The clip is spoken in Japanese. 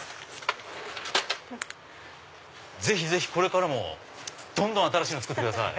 ぜひぜひこれからもどんどん新しいの作ってください。